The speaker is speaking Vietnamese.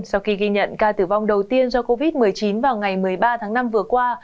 sau khi ghi nhận ca tử vong đầu tiên do covid một mươi chín vào ngày một mươi ba tháng năm vừa qua